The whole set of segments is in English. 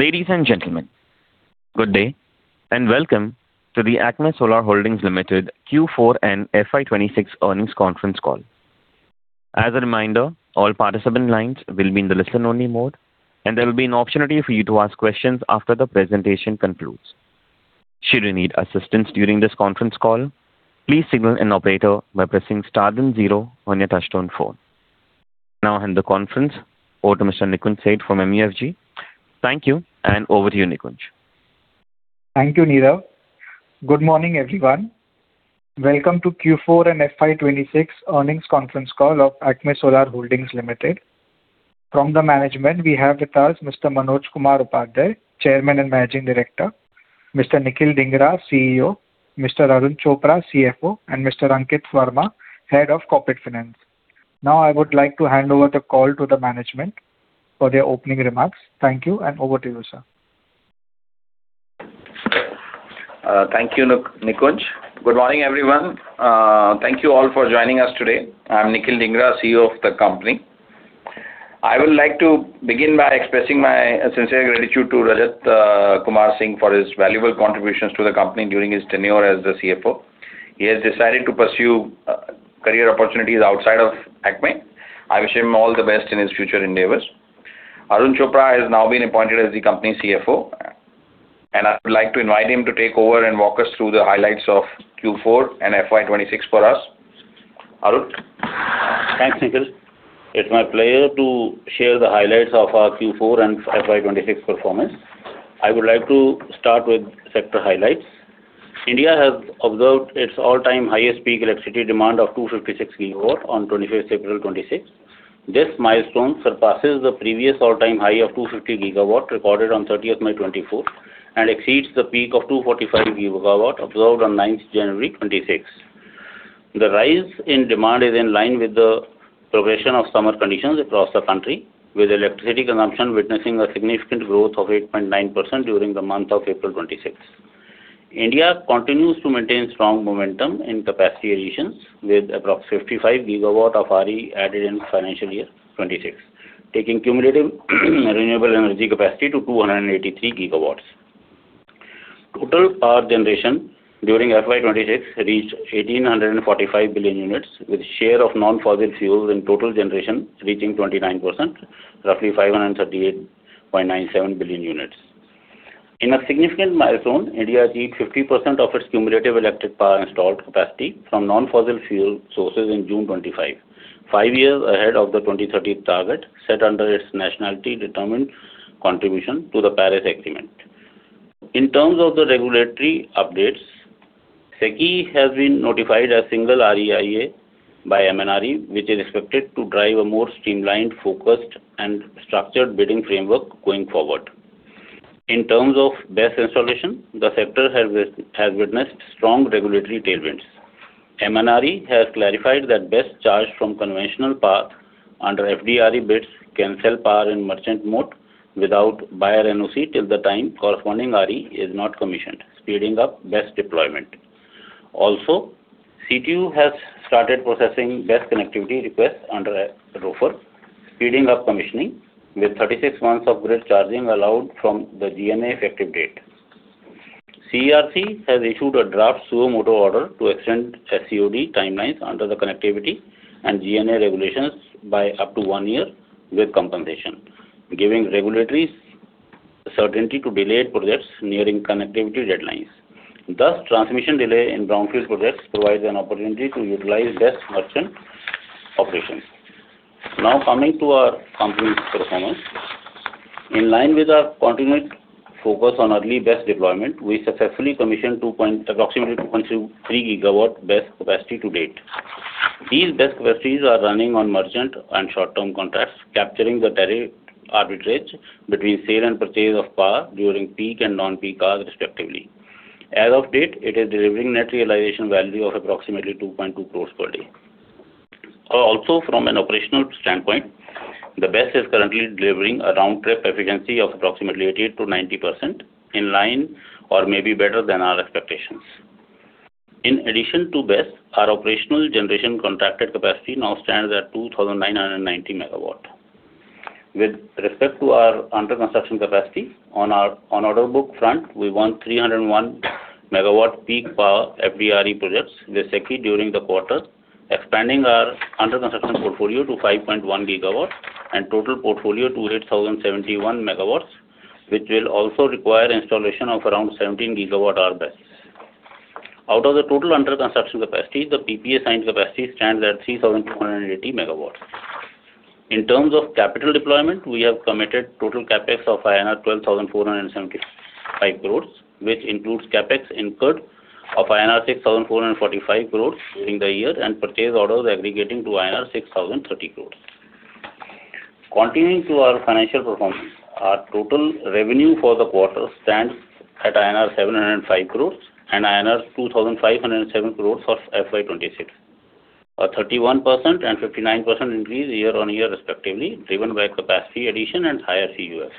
Ladies and gentlemen, good day, and welcome to the ACME Solar Holdings Limited Q4 and FY 2026 earnings conference call. As a reminder, all participant lines will be in the listen-only mode, and there will be an opportunity for you to ask questions after the presentation concludes. Should you need assistance during this conference call, please signal an operator by pressing star then zero on your touchtone phone. Now I hand the conference over to Mr. Nikunj Seth from MUFG. Thank you, and over to you, Nikunj. Thank you, Nirav. Good morning, everyone. Welcome to Q4 and FY 2026 earnings conference call of ACME Solar Holdings Limited. From the management, we have with us Mr. Manoj Kumar Upadhyay, Chairman and Managing Director; Mr. Nikhil Dhingra, CEO; Mr. Arun Chopra, CFO; and Mr. Ankit Verma, Head of Corporate Finance. Now, I would like to hand over the call to the management for their opening remarks. Thank you, and over to you, sir. Thank you, Nikunj. Good morning, everyone. Thank you all for joining us today. I'm Nikhil Dhingra, CEO of the company. I would like to begin by expressing my sincere gratitude to Rajat Kumar Singh for his valuable contributions to the company during his tenure as the CFO. He has decided to pursue career opportunities outside of ACME. I wish him all the best in his future endeavors. Arun Chopra has now been appointed as the company CFO, and I would like to invite him to take over and walk us through the highlights of Q4 and FY 2026 for us. Arun? Thanks, Nikhil. It's my pleasure to share the highlights of our Q4 and FY 2026 performance. I would like to start with sector highlights. India has observed its all-time highest peak electricity demand of 256 GW on April 25, 2026. This milestone surpasses the previous all-time high of 250 GW recorded on May 30, 2024 and exceeds the peak of 245 GW observed on January 9, 2026. The rise in demand is in line with the progression of summer conditions across the country, with electricity consumption witnessing a significant growth of 8.9% during the month of April 2026. India continues to maintain strong momentum in capacity additions with approx 55 GW of RE added in FY 2026, taking cumulative renewable energy capacity to 283 GW. Total power generation during FY 2026 reached 1,845 billion units, with share of non-fossil fuels in total generation reaching 29%, roughly 538.97 billion units. In a significant milestone, India achieved 50% of its cumulative electric power installed capacity from non-fossil fuel sources in June 2025, five years ahead of the 2030 target set under its nationally determined contribution to the Paris Agreement. In terms of the regulatory updates, SECI has been notified as single REIA by MNRE, which is expected to drive a more streamlined, focused, and structured bidding framework going forward. In terms of BESS installation, the sector has witnessed strong regulatory tailwinds. MNRE has clarified that BESS charged from conventional path under FDRE bids can sell power in merchant mode without buyer NOC till the time corresponding RE is not commissioned, speeding up BESS deployment. CTU has started processing BESS connectivity requests under ROFR, speeding up commissioning with 36 months of grid charging allowed from the GNA effective date. CERC has issued a draft suo motu order to extend SCOD timelines under the connectivity and GNA regulations by up to one year with compensation, giving regulatory certainty to delayed projects nearing connectivity deadlines. Transmission delay in brownfield projects provides an opportunity to utilize BESS merchant operations. Coming to our company's performance. In line with our continued focus on early BESS deployment, we successfully commissioned approximately 2.3 GW BESS capacity to date. These BESS capacities are running on merchant and short-term contracts, capturing the tariff arbitrage between sale and purchase of power during peak and non-peak hours respectively. As of date, it is delivering net realization value of approximately 2.2 crores per day. Also from an operational standpoint, the BESS is currently delivering a roundtrip efficiency of approximately 80%-90% in line or maybe better than our expectations. In addition to BESS, our operational generation contracted capacity now stands at 2,990 MW. With respect to our under-construction capacity on our on order book front, we won 301 MW peak power FDRE projects with SECI during the quarter, expanding our under-construction portfolio to 5.1 GW and total portfolio to 8,071 MW, which will also require installation of around 17 GWh BESS. Out of the total under-construction capacity, the PPA signed capacity stands at 3,280 MW. In terms of capital deployment, we have committed total CapEx of INR 12,475 crores, which includes CapEx incurred of INR 6,445 crores during the year and purchase orders aggregating to INR 6,030 crores. Continuing to our financial performance, our total revenue for the quarter stands at INR 705 crores and INR 2,507 crores for FY26, a 31% and 59% increase year-on-year respectively, driven by capacity addition and higher CUF.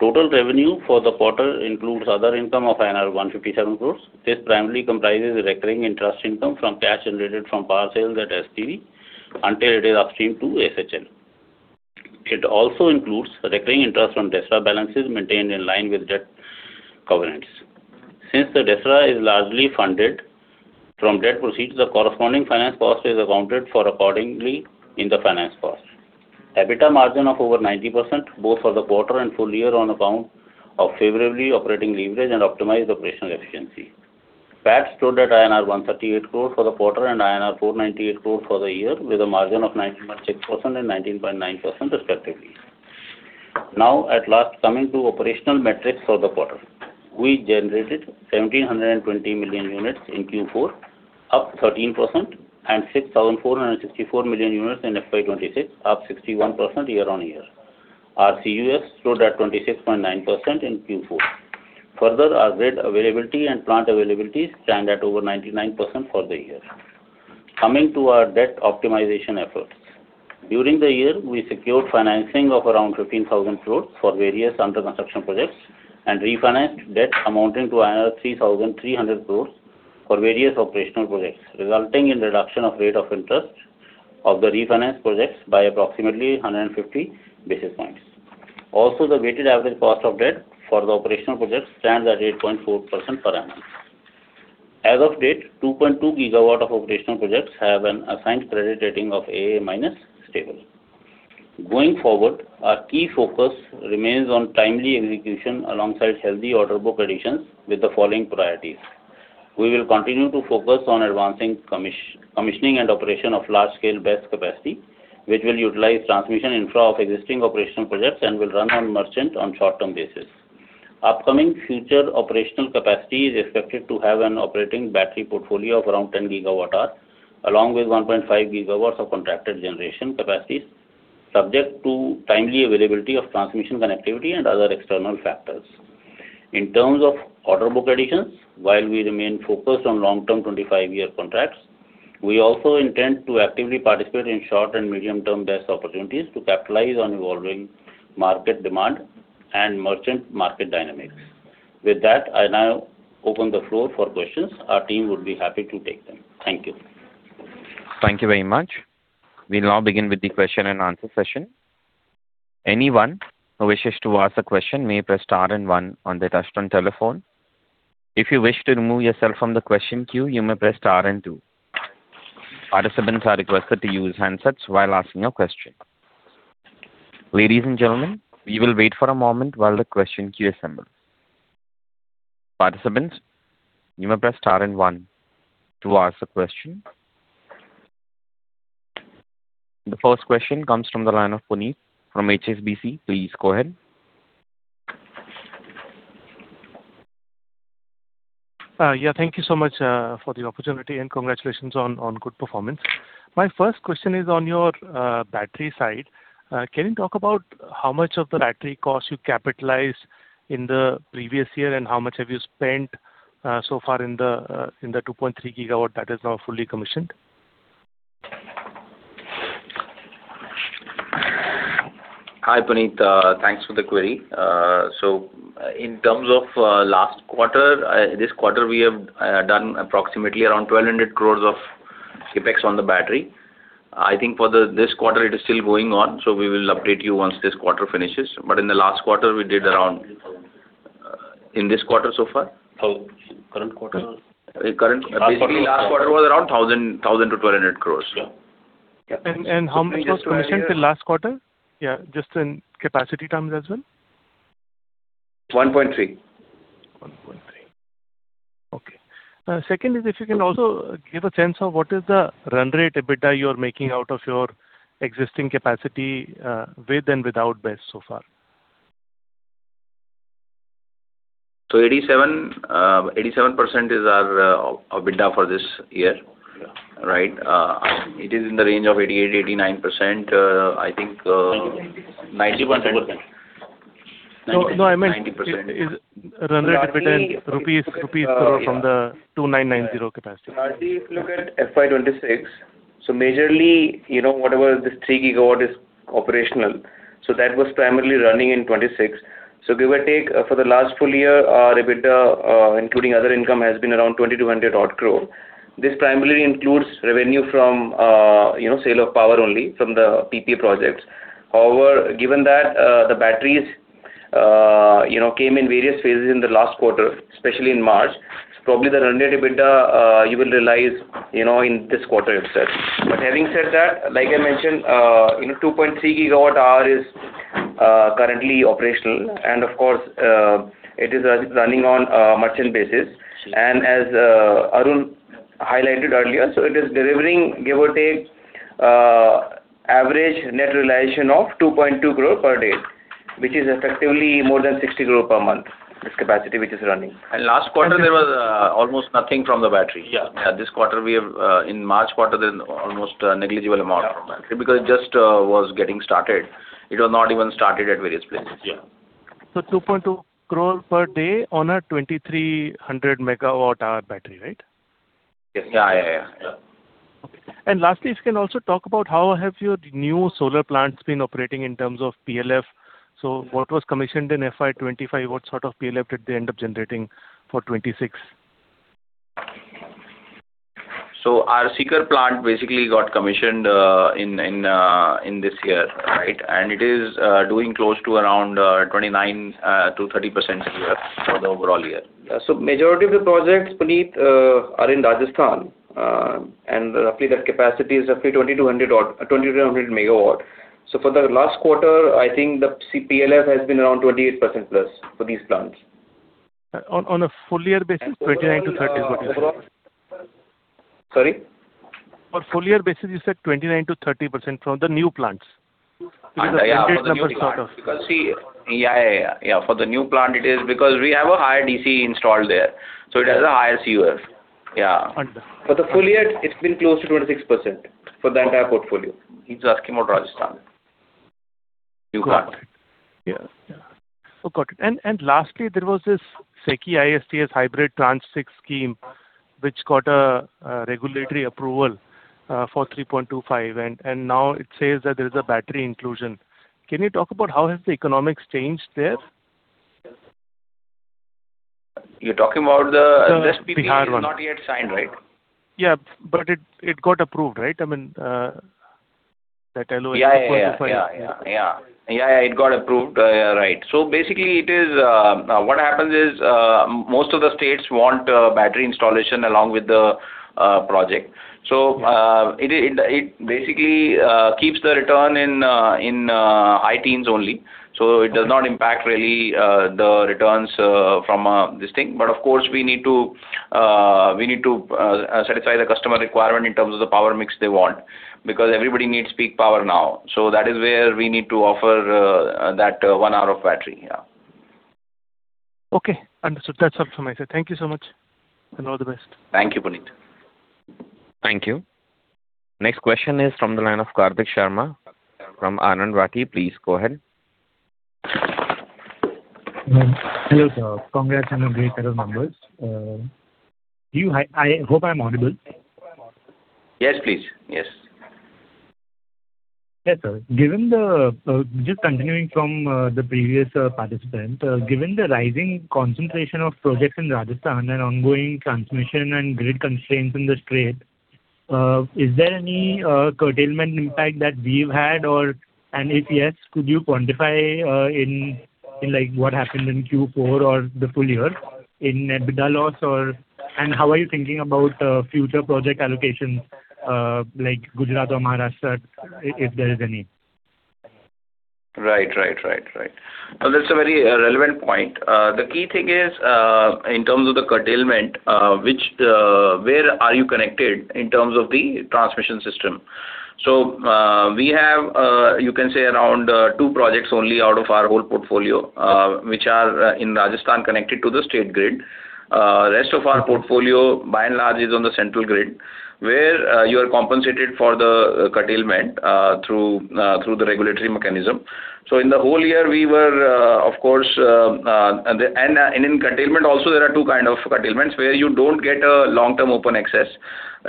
Total revenue for the quarter includes other income of 157 crores. This primarily comprises recurring interest income from cash generated from power sales at SPV until it is upstream to SHL. It also includes recurring interest from DSRA balances maintained in line with debt covenants. Since the DSRA is largely funded from debt proceeds, the corresponding finance cost is accounted for accordingly in the finance cost. EBITDA margin of over 90% both for the quarter and full year on account of favorable operating leverage and optimized operational efficiency. PAT stood at INR 138 crores for the quarter and INR 498 crores for the year, with a margin of 19.6% and 19.9% respectively. Now, at last, coming to operational metrics for the quarter. We generated 1,720 million units in Q4, up 13%, and 6,464 million units in FY 2026, up 61% year-over-year. Our CUF stood at 26.9% in Q4. Further, our grid availability and plant availability stand at over 99% for the year. Coming to our debt optimization efforts. During the year, we secured financing of around 15,000 crores for various under construction projects and refinanced debt amounting to 3,300 crores for various operational projects, resulting in reduction of rate of interest of the refinanced projects by approximately 150 basis points. The weighted average cost of debt for the operational projects stands at 8.4% per annum. As of date, 2.2 GW of operational projects have an assigned credit rating of AA- stable. Going forward, our key focus remains on timely execution alongside healthy order book additions with the following priorities. We will continue to focus on advancing commissioning and operation of large-scale BESS capacity, which will utilize transmission infra of existing operational projects and will run on merchant on short-term basis. Upcoming future operational capacity is expected to have an operating battery portfolio of around 10 GWh, along with 1.5 GW of contracted generation capacities, subject to timely availability of transmission connectivity and other external factors. In terms of order book additions, while we remain focused on long-term 25-year contracts, we also intend to actively participate in short and medium term BESS opportunities to capitalize on evolving market demand and merchant market dynamics. With that, I now open the floor for questions. Our team would be happy to take them. Thank you. Thank you very much. We'll now begin with the question and answer session. Anyone who wishes to ask a question may press star and one on their touchtone telephone. If you wish to remove yourself from the question queue, you may press star and two. Participants are requested to use handsets while asking a question. Ladies and gentlemen, we will wait for a moment while the question queue assembles. Participants, you may press star and one to ask a question. The first question comes from the line of Puneet from HSBC. Please go ahead. Yeah, thank you so much for the opportunity, and congratulations on good performance. My first question is on your battery side. Can you talk about how much of the battery cost you capitalized in the previous year, and how much have you spent so far in the 2.3 GW that is now fully commissioned? Hi, Puneet. Thanks for the query. In terms of last quarter, this quarter we have done approximately around 1,200 crores of CapEx on the battery. I think for this quarter it is still going on, we will update you once this quarter finishes. In the last quarter, we did around In this quarter so far? Oh, current quarter. Current. Basically, last quarter was around 1,000 crores-1,200 crores. Yeah. How much was commissioned till last quarter? Yeah, just in capacity terms as well. 1.3. 1.3. Okay. Second is if you can also give a sense of what is the run rate EBITDA you're making out of your existing capacity, with and without BESS so far. 87% is our EBITDA for this year. Yeah. Right? It is in the range of 88%-89%, I think. 90%. 90%. No, no. 90%. Is run rate EBITDA in rupees crore from the 2,990 capacity. Lastly, if you look at FY 2026, majorly, you know, whatever this 3 GW is operational, that was primarily running in 26. Give or take, for the last full year, our EBITDA, including other income, has been around 2,200 odd crore. This primarily includes revenue from, you know, sale of power only from the PPA projects. However, given that the batteries, you know, came in various phases in the last quarter, especially in March, probably the run rate EBITDA, you will realize, you know, in this quarter itself. Having said that, like I mentioned, you know, 2.3 GWh is currently operational and of course, it is running on a merchant basis. As Arun highlighted earlier, it is delivering give or take average net realization of 2.2 crore per day, which is effectively more than 60 crore per month, this capacity which is running. Last quarter there was almost nothing from the battery. Yeah. This quarter we have in March quarter there's almost a negligible amount from battery because it just was getting started. It was not even started at various places. Yeah. 2.2 crore per day on a 2,300 MWh battery, right? Yes. Yeah, yeah. Yeah. Okay. Lastly, if you can also talk about how have your new solar plants been operating in terms of PLF. What was commissioned in FY 2025? What sort of PLF did they end up generating for 2026? Our Sikri plant basically got commissioned in this year, right? It is doing close to around 29%-30% CF for the overall year. Majority of the projects, Puneet, are in Rajasthan. Roughly the capacity is roughly 2,200 MW. For the last quarter, I think the CPLF has been around 28%+ for these plants. On a full year basis, 29%-30%. Sorry? For full year basis, you said 29%-30% from the new plants. Understood. For the new plant. For the new plant it is because we have a higher DC installed there, so it has a higher CUF. Understood. For the full year, it's been close to 26% for the entire portfolio. He's asking about Rajasthan. New plant. Got it. Yeah. Got it. Lastly, there was this SECI-ISTS hybrid Tranche six scheme which got a regulatory approval for 3.25. Now it says that there is a battery inclusion. Can you talk about how has the economics changed there? You're talking about. The Bihar one. PPA is not yet signed, right? Yeah, it got approved, right? I mean, that allows 3.25. Yeah, yeah. Yeah. Yeah, it got approved. Yeah, right. Basically it is, what happens is, most of the states want battery installation along with the project. It basically keeps the return in high teens only. It does not impact really the returns from this thing. Of course, we need to satisfy the customer requirement in terms of the power mix they want because everybody needs peak power now. That is where we need to offer that 1 hour of battery. Yeah. Okay. Understood. That's all from my side. Thank you so much and all the best. Thank you, Puneet. Thank you. Next question is from the line of Kartik Sharma from Anand Rathi. Please go ahead. Hello, sir. Congrats on the great set of numbers. I hope I'm audible. Yes, please. Yes. Yeah, sir. Given the just continuing from the previous participant. Given the rising concentration of projects in Rajasthan and ongoing transmission and grid constraints in the state, is there any curtailment impact that we've had? If yes, could you quantify in like what happened in Q4 or the full year in EBITDA loss? How are you thinking about future project allocations, like Gujarat or Maharashtra, if there is any? Right. Right. Right. Right. That's a very relevant point. The key thing is in terms of the curtailment, which, where are you connected in terms of the transmission system? We have, you can say around two projects only out of our whole portfolio, which are in Rajasthan connected to the state grid. Rest of our portfolio by and large is on the central grid where you are compensated for the curtailment through the regulatory mechanism. In the whole year we were, of course, and in curtailment also there are two kind of curtailments where you don't get a long-term open access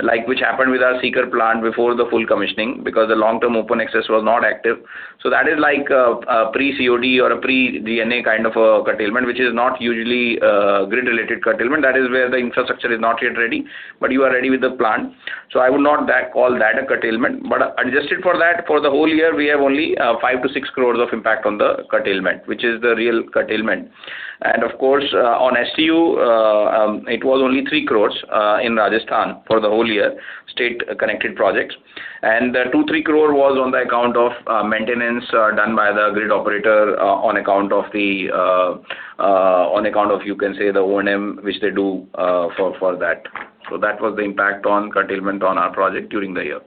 like which happened with our Sikri plant before the full commissioning because the long-term open access was not active. That is like a pre-COD or a pre-GNA kind of a curtailment, which is not usually grid-related curtailment. That is where the infrastructure is not yet ready, but you are ready with the plant. I would not call that a curtailment. Adjusted for that, for the whole year we have only 5-6 crores of impact on the curtailment, which is the real curtailment. Of course, on STU, it was only 3 crores in Rajasthan for the whole year, state connected projects. Two, three crore was on the account of maintenance done by the grid operator, on account of the on account of you can say the O&M which they do for that. That was the impact on curtailment on our project during the year.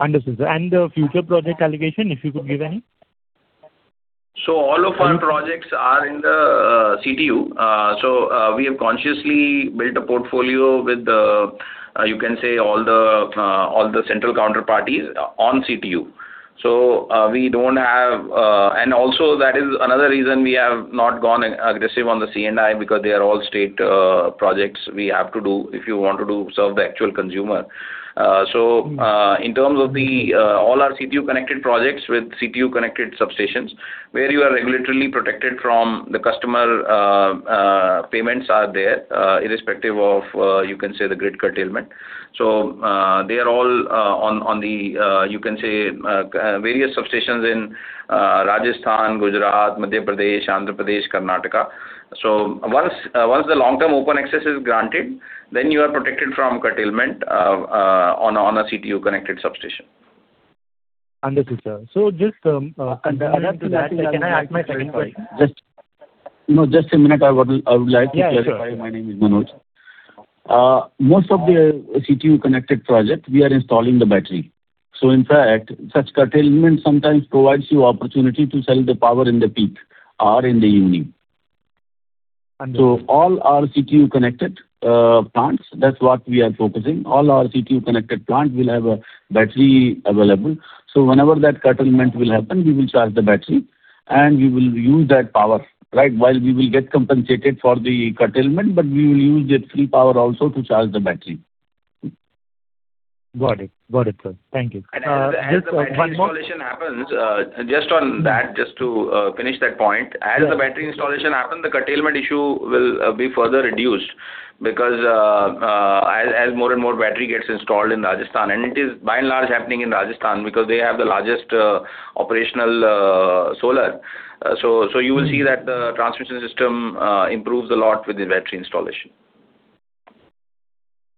Understood, sir. The future project allocation, if you could give any? All of our projects are in the CTU. We have consciously built a portfolio with the, you can say all the, all the central counterparties on CTU. We don't have. Also, that is another reason we have not gone aggressive on the C&I because they are all state projects we have to do if you want to do serve the actual consumer. In terms of the all our CTU connected projects with CTU connected substations where you are regulatory protected from the customer, payments are there irrespective of, you can say, the grid curtailment. They are all on the, you can say, various substations in Rajasthan, Gujarat, Madhya Pradesh, Andhra Pradesh, Karnataka. Once the long-term open access is granted, then you are protected from curtailment on a CTU connected substation. Understood, sir. Add to that Can I add my second point? Just a minute. I would like to clarify. Yeah, sure. My name is Manoj. Most of the CTU connected project we are installing the battery. In fact, such curtailment sometimes provides you opportunity to sell the power in the peak or in the evening. Understood. All our CTU connected plants, that's what we are focusing. All our CTU connected plant will have a battery available. Whenever that curtailment will happen, we will charge the battery, and we will use that power, right? While we will get compensated for the curtailment, but we will use that free power also to charge the battery. Got it. Got it, sir. Thank you. Just one more. As the battery installation happens, just on that, just to finish that point. Yeah. As the battery installation happens, the curtailment issue will be further reduced because, as more and more battery gets installed in Rajasthan, and it is by and large happening in Rajasthan because they have the largest operational solar. You will see that the transmission system improves a lot with the battery installation.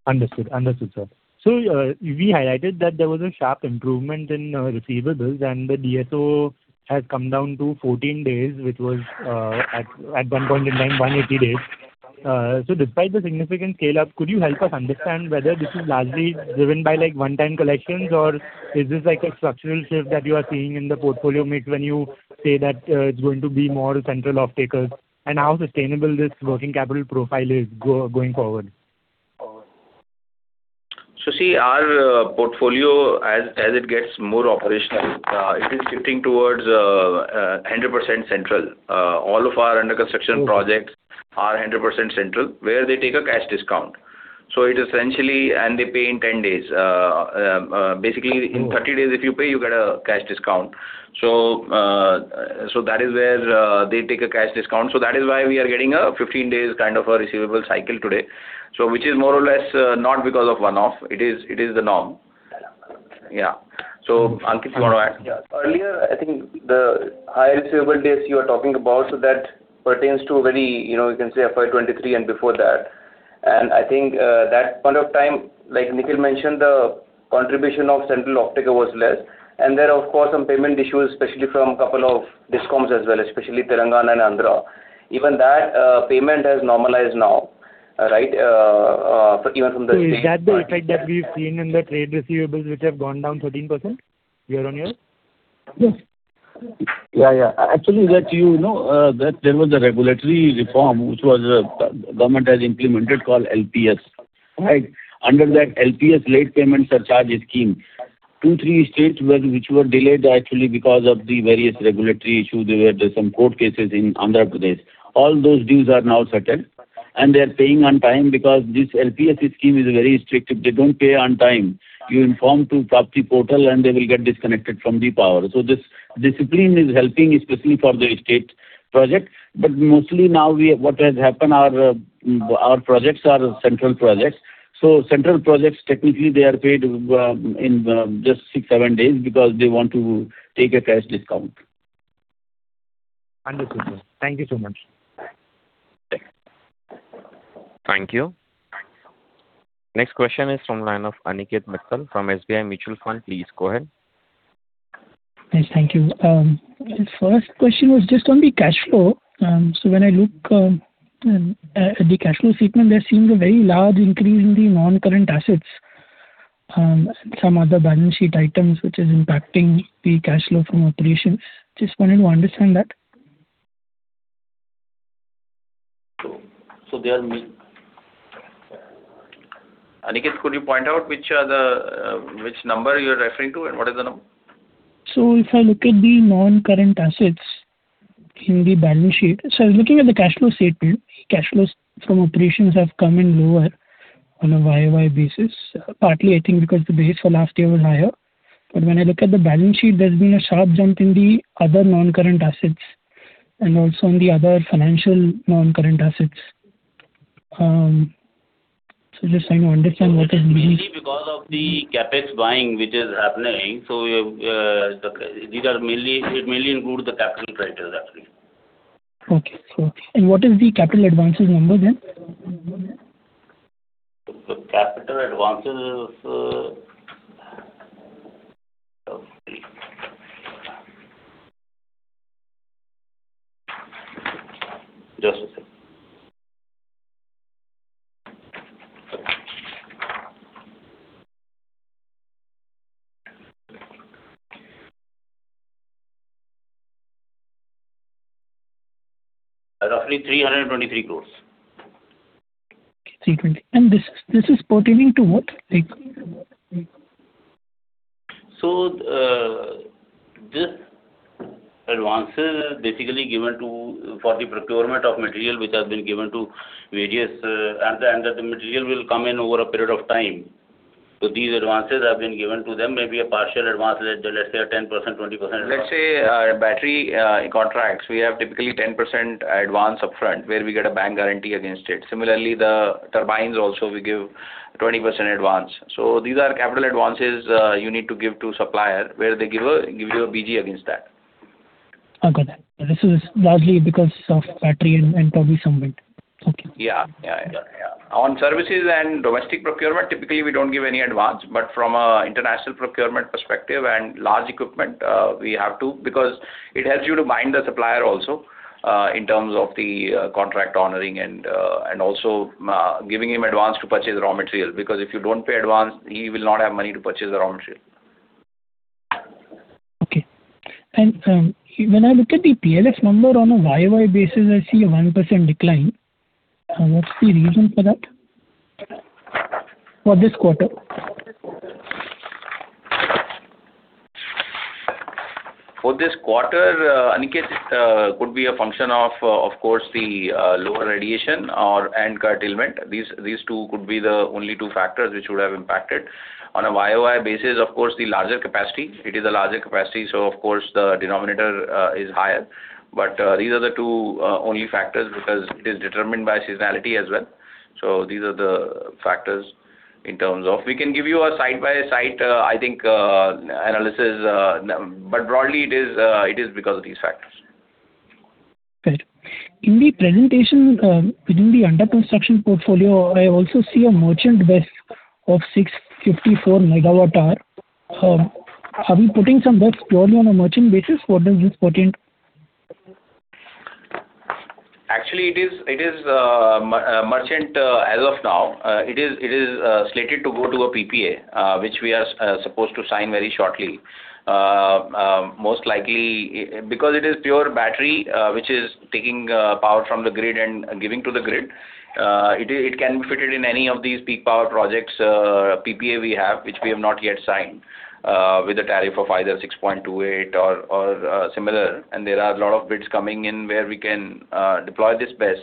Understood. Understood, sir. You highlighted that there was a sharp improvement in receivables, and the DSO has come down to 14 days, which was at one point in time 180 days. Despite the significant scale-up, could you help us understand whether this is largely driven by, like, one-time collections, or is this like a structural shift that you are seeing in the portfolio mix when you say that it's going to be more central off-takers, and how sustainable this working capital profile is going forward? See, our portfolio as it gets more operational, it is shifting towards a 100% Central. All of our under construction projects are 100% Central, where they take a cash discount. They pay in 10 days. Basically in 30 days if you pay, you get a cash discount. That is where they take a cash discount. That is why we are getting a 15 days kind of a receivable cycle today. Which is more or less not because of one-off. It is the norm. Yeah. Ankit, you wanna add? Yeah. Earlier, I think the higher receivable days you are talking about, that pertains to very, you know, you can say FY 2023 and before that. I think, that point of time, like Nikhil mentioned, the contribution of central offtaker was less. There are, of course, some payment issues, especially from couple of DISCOMs as well, especially Telangana and Andhra. That payment has normalized now. Right. Is that the effect that we've seen in the trade receivables which have gone down 13% year-on-year? Yeah, yeah. Actually, that you know, that there was a regulatory reform which was, government has implemented called LPS. Right? Under that LPS, Late Payment Surcharge Scheme, two, three states were, which were delayed actually because of the various regulatory issues. There were some court cases in Andhra Pradesh. All those dues are now settled, and they're paying on time because this LPS scheme is very strict. If they don't pay on time, you inform to PRAAPTI portal, and they will get disconnected from the power. This discipline is helping especially for the state project. Mostly now we what has happened, our projects are central projects. Central projects, technically they are paid, in just six, seven days because they want to take a cash discount. Understood, sir. Thank you so much. Thank you. Next question is from line of Aniket Mittal from SBI Mutual Fund. Please go ahead. Yes. Thank you. My first question was just on the cash flow. When I look, at the cash flow statement, there seems a very large increase in the non-current assets, and some other balance sheet items which is impacting the cash flow from operations. Just wanted to understand that. They are main Aniket, could you point out which are the, which number you're referring to and what is the number? If I look at the non-current assets in the balance sheet. I was looking at the cash flow statement. Cash flows from operations have come in lower on a YOY basis, partly I think because the base for last year was higher. When I look at the balance sheet, there's been a sharp jump in the other non-current assets and also in the other financial non-current assets. It is mainly because of the CapEx buying which is happening. It mainly include the capital credits actually. Okay. And what is the capital advances number then? The capital advances, Just a second. Roughly 323 crores. INR 320 crores. This is pertaining to what? This advances basically given to for the procurement of material which has been given to various, and the material will come in over a period of time. These advances have been given to them, maybe a partial advance, let's say a 10%, 20% advance. Let's say battery contracts, we have typically 10% advance upfront, where we get a bank guarantee against it. Similarly, the turbines also we give 20% advance. These are capital advances, you need to give to supplier, where they give you a BG against that. Okay. This is largely because of battery and probably some wind. Okay. Yeah. On services and domestic procurement, typically we don't give any advance. From an international procurement perspective and large equipment, we have to because it helps you to bind the supplier also in terms of the contract honoring and also giving him advance to purchase raw material. If you don't pay advance, he will not have money to purchase the raw material. Okay. When I look at the PLF number on a YOY basis, I see a 1% decline. What's the reason for that? For this quarter. For this quarter, Aniket, could be a function of course, the lower radiation and curtailment. These two could be the only two factors which would have impacted. On a YOY basis, of course, the larger capacity. It is a larger capacity. Of course, the denominator is higher. These are the two only factors because it is determined by seasonality as well. These are the factors in terms of We can give you a site-by-site, I think, analysis, but broadly, it is because of these factors. Right. In the presentation, within the under construction portfolio, I also see a merchant BESS of 654 MWh. Are we putting some BESS purely on a merchant basis? What does this portend? Actually, it is merchant as of now. It is slated to go to a PPA, which we are supposed to sign very shortly. Most likely, it is because it is pure battery, which is taking power from the grid and giving to the grid, it can be fitted in any of these peak power projects, PPA we have, which we have not yet signed, with a tariff of either 6.28 crore or similar. There are a lot of bids coming in where we can deploy this BESS.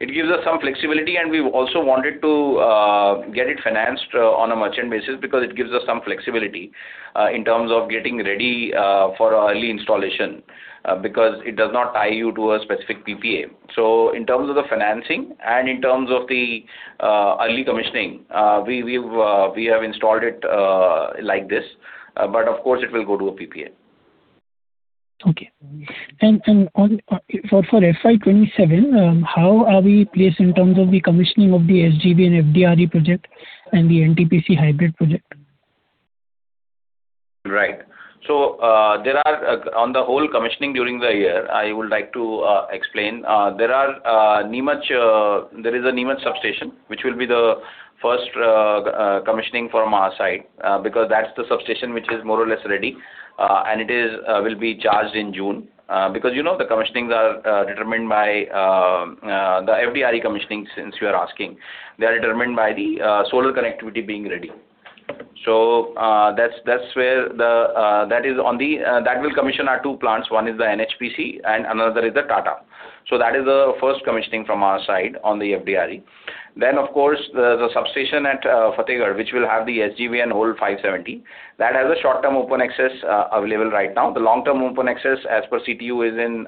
It gives us some flexibility. We also wanted to get it financed on a merchant basis because it gives us some flexibility in terms of getting ready for early installation because it does not tie you to a specific PPA. In terms of the financing and in terms of the early commissioning, we have installed it like this. Of course it will go to a PPA. Okay. For FY 2027, how are we placed in terms of the commissioning of the SJVN FDRE project and the NTPC hybrid project? Right. There are on the whole commissioning during the year, I would like to explain. There are Neemuch, there is a Neemuch substation, which will be the first commissioning from our side, because that's the substation which is more or less ready. And it is will be charged in June. Because, you know, the commissionings are determined by the FDRE commissioning, since you are asking. They are determined by the solar connectivity being ready. That's, that's where the that is on the that will commission our two plants. One is the NHPC and another is the Tata. That is the first commissioning from our side on the FDRE. Of course, the substation at Fatehgarh, which will have the SJVN whole 570. That has a short-term open access available right now. The long-term open access, as per CTU, is in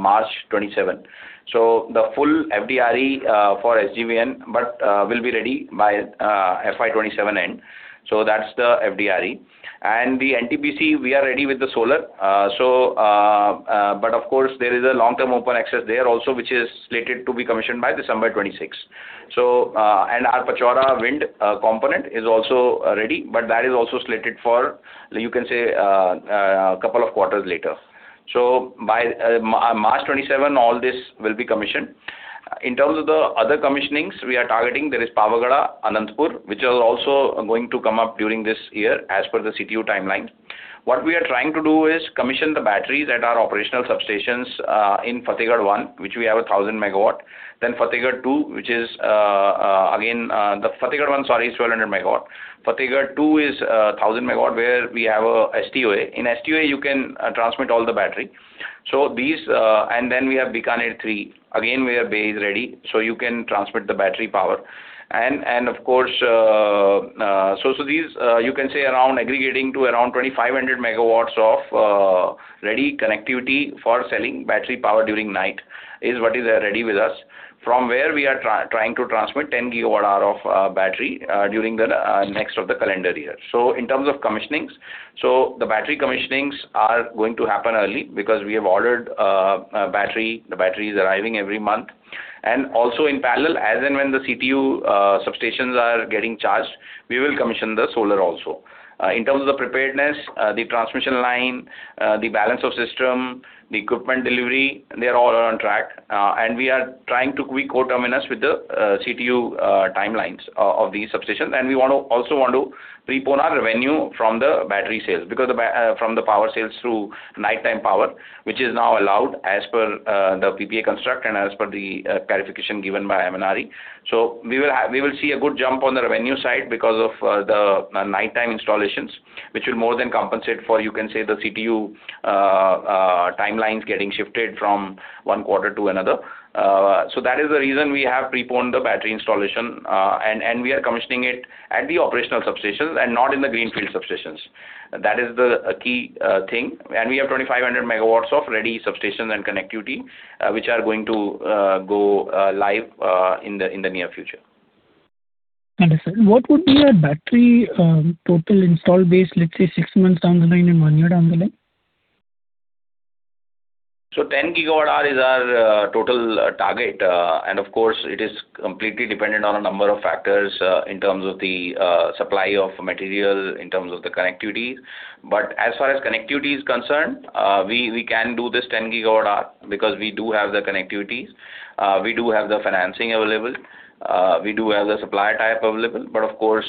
March 2027. The full FDRE for SJVN, but will be ready by FY 2027 end. That's the FDRE. The NTPC, we are ready with the solar. Of course, there is a long-term open access there also, which is slated to be commissioned by December 2026. Our Pachora wind component is also ready, but that is also slated for, you can say, two quarters later. By March 2027, all this will be commissioned. In terms of the other commissionings we are targeting, there is Pavagada, Anantapur, which are also going to come up during this year as per the CTU timeline. What we are trying to do is commission the batteries at our operational substations in Fatehgarh 1, which we have a 1,000 megawatt. Then Fatehgarh 2, which is the Fatehgarh 1, sorry, is 1,200 megawatt. Fatehgarh 2 is 1,000 MW, where we have a STOA. In STOA, you can transmit all the battery. These we have Bikaner 3. Again, where bay is ready, you can transmit the battery power. Of course, these, you can say around aggregating to around 2,500 MW of ready connectivity for selling battery power during night is what is ready with us. From where we are trying to transmit 10 gigawatt hour of battery during the next of the calendar year. In terms of commissionings, the battery commissionings are going to happen early because we have ordered battery. The battery is arriving every month. Also in parallel, as and when the CTU substations are getting charged, we will commission the solar also. In terms of the preparedness, the transmission line, the balance of system, the equipment delivery, they are all on track. We are trying to be co-terminus with the CTU timelines of these substations. We also want to prepone our revenue from the battery sales because from the power sales through nighttime power, which is now allowed as per the PPA construct and as per the clarification given by MNRE. We will see a good jump on the revenue side because of the nighttime installations, which will more than compensate for, you can say, the CTU timelines getting shifted from 1 quarter to another. That is the reason we have preponed the battery installation. We are commissioning it at the operational substations and not in the greenfield substations. That is the key thing. We have 2,500 MW of ready substations and connectivity, which are going to go live in the near future. Understood. What would be our battery total install base, let's say 6 months down the line and one year down the line? 10 GWh is our total target. Of course, it is completely dependent on a number of factors, in terms of the supply of material, in terms of the connectivity. As far as connectivity is concerned, we can do this 10 GWh because we do have the connectivity. We do have the financing available. We do have the supply tie-up available. Of course,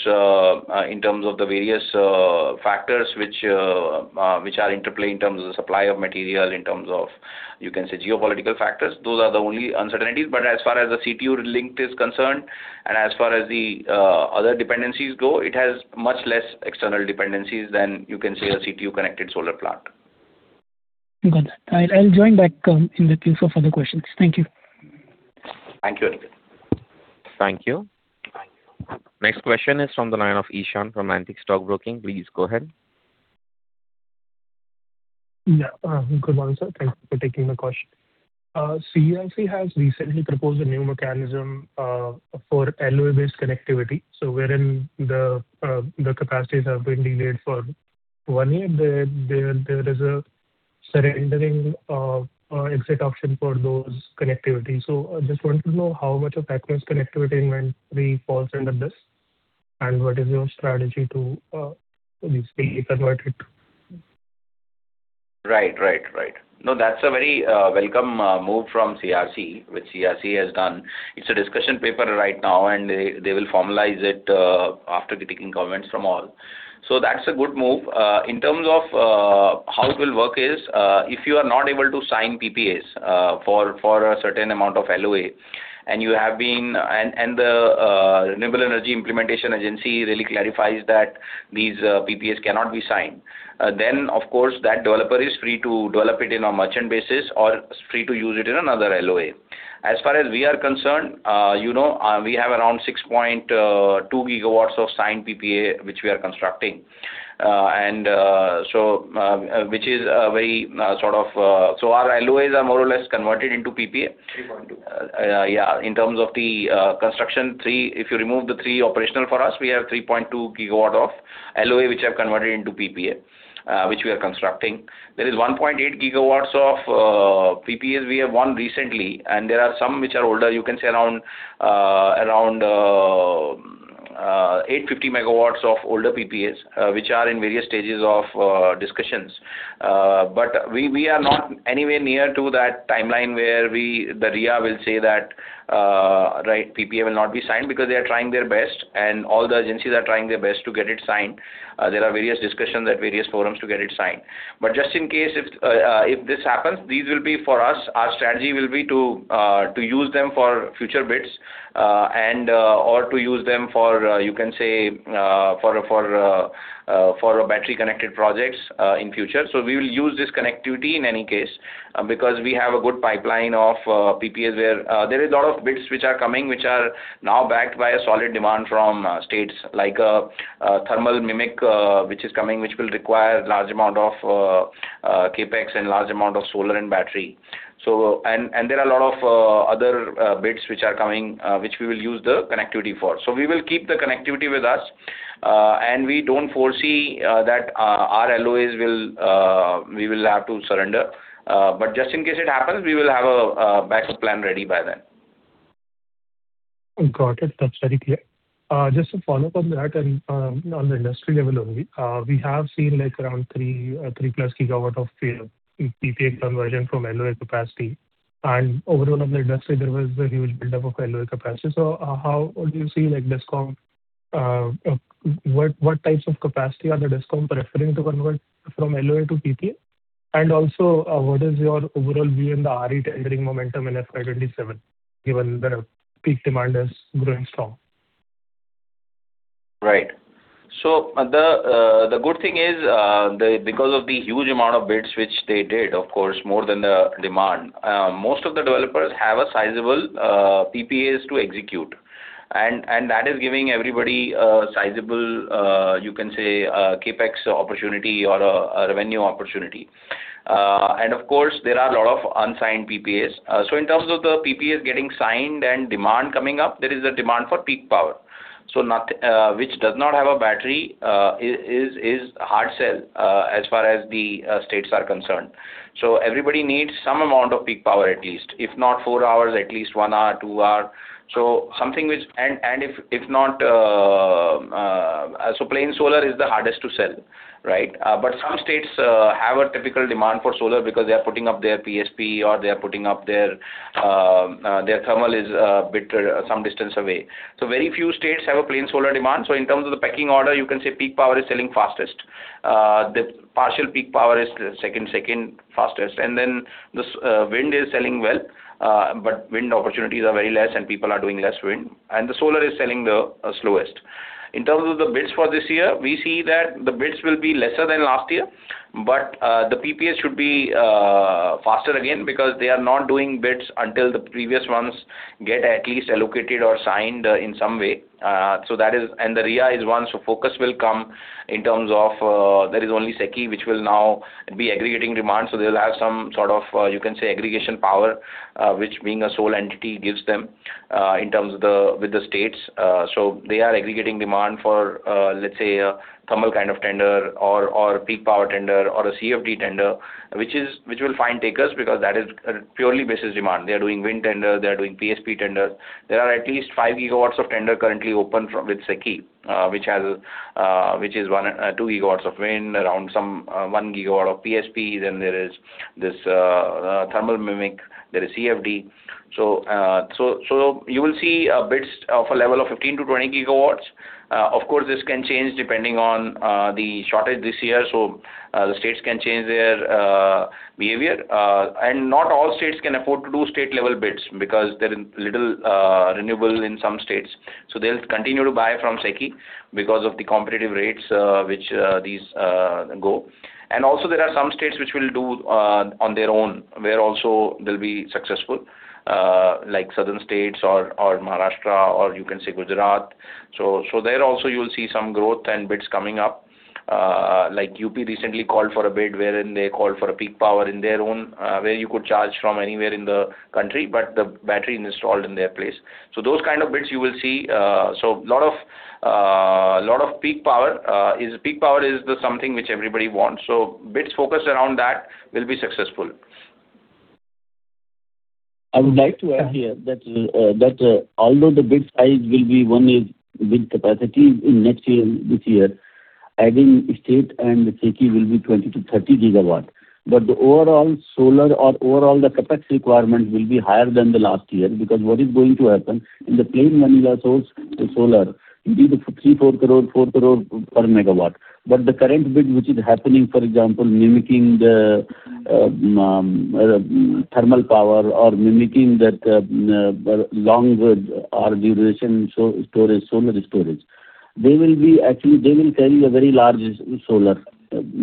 in terms of the various factors which are interplay in terms of supply of material, in terms of, you can say, geopolitical factors, those are the only uncertainties. As far as the CTU link is concerned, and as far as the other dependencies go, it has much less external dependencies than, you can say, a CTU-connected solar plant. Got it. I'll join back in the queue for further questions. Thank you. Thank you. Thank you. Next question is from the line of Ishan from Antique Stock Broking. Please go ahead. Good morning, sir. Thank you for taking my question. CERC has recently proposed a new mechanism for LOA-based connectivity. Wherein the capacities have been delayed for one year. There is a surrendering of exit option for those connectivity. I just want to know how much of that connectivity inventory falls under this, and what is your strategy to basically convert it? Right. Right. Right. That's a very welcome move from CERC, which CERC has done. It's a discussion paper right now, and they will formalize it after taking comments from all. That's a good move. In terms of how it will work is, if you are not able to sign PPAs for a certain amount of LOA, and you have been and the Renewable Energy Implementation Agency really clarifies that these PPAs cannot be signed, then of course, that developer is free to develop it in a merchant basis or free to use it in another LOA. As far as we are concerned, you know, we have around 6.2 GW of signed PPA which we are constructing. Our LOAs are more or less converted into PPA. 3.2. Yeah, in terms of the construction three. If you remove the three operational for us, we have 3.2 GW of LOA which are converted into PPA, which we are constructing. There is 1.8 GW of PPAs we have won recently, and there are some which are older. You can say around 850 MW of older PPAs, which are in various stages of discussions. We, we are not anywhere near to that timeline where we, the REIA will say that, right, PPA will not be signed because they are trying their best, and all the agencies are trying their best to get it signed. There are various discussions at various forums to get it signed. Just in case if this happens, these will be for us. Our strategy will be to use them for future bids, and or to use them for a battery-connected projects in future. We will use this connectivity in any case, because we have a good pipeline of PPAs where there is a lot of bids which are coming, which are now backed by a solid demand from states like thermal mimic, which is coming, which will require large amount of CapEx and large amount of solar and battery. There are a lot of other bids which are coming, which we will use the connectivity for. We will keep the connectivity with us, and we don't foresee that our LOAs will we will have to surrender. Just in case it happens, we will have a backup plan ready by then. Got it. That's very clear. Just to follow up on that and on the industry level only. We have seen like around 3+ GW of PPA conversion from LOA capacity. Overall on the industry, there was a huge buildup of LOA capacity. How what do you see, like DISCOM, what types of capacity are the DISCOM preferring to convert from LOA to PPA? Also, what is your overall view in the RE tendering momentum in FY 2027, given that peak demand is growing strong? Right. The good thing is, because of the huge amount of bids which they did, of course, more than the demand, most of the developers have a sizable PPAs to execute. That is giving everybody a sizable, you can say, CapEx opportunity or a revenue opportunity. Of course, there are a lot of unsigned PPAs. In terms of the PPAs getting signed and demand coming up, there is a demand for peak power. Not which does not have a battery, is hard sell as far as the states are concerned. Everybody needs some amount of peak power at least. If not four hours, at least one hour, two hour. Plain solar is the hardest to sell, right? But some states have a typical demand for solar because they are putting up their PSP or they are putting up their thermal is some distance away. Very few states have a plain solar demand. In terms of the pecking order, you can say peak power is selling fastest. The partial peak power is second fastest. This wind is selling well. But wind opportunities are very less and people are doing less wind. The solar is selling the slowest. In terms of the bids for this year, we see that the bids will be lesser than last year. The PPA should be faster again because they are not doing bids until the previous ones get at least allocated or signed in some way. The REIA is one, focus will come in terms of there is only SECI which will now be aggregating demand. They'll have some sort of, you can say aggregation power, which being a sole entity gives them in terms of the, with the states. They are aggregating demand for, let's say a thermal kind of tender or peak power tender or a CFD tender, which will find takers because that is purely basis demand. They are doing wind tender, they are doing PSP tenders. There are at least 5 GW of tender currently open from, with SECI, which has, which is 2 GW of wind, around some, 1 GW of PSP. There is this thermal mimic. There is CFD. You will see bids of a level of 15 GW-20 GW. Of course, this can change depending on the shortage this year. The states can change their behavior. And not all states can afford to do state-level bids because there is little renewable in some states. They'll continue to buy from SECI because of the competitive rates, which these go. And also there are some states which will do on their own, where also they'll be successful, like southern states or Maharashtra, or you can say Gujarat. There also you'll see some growth and bids coming up. Like UP recently called for a bid wherein they called for a peak power in their own, where you could charge from anywhere in the country, but the battery installed in their place. Those kind of bids you will see. A lot of peak power. Peak power is the something which everybody wants. Bids focused around that will be successful. I would like to add here that although the bid size will be one is bid capacity in next year and this year, adding state and the SECI will be 20 GW-30 GW. The overall solar or overall the CapEx requirement will be higher than the last year. Because what is going to happen, in the plain vanilla source, the solar will be the 3 crore-4 crore per MW The current bid which is happening, for example, mimicking the thermal power or mimicking that long duration storage, solar storage, they will be actually, they will carry a very large solar